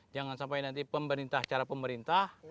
jangan sampai nanti pemerintah cara pemerintah